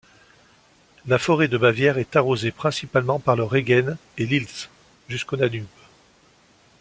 La forêt de Bavière est arrosée principalement par le Regen et l'Ilz jusqu'au Danube.